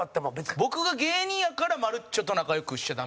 僕が芸人やから、まるっちょと仲良くしちゃダメ？